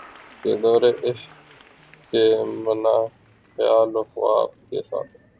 کہ دورِ عیش ہے مانا خیال و خواب کے ساتھ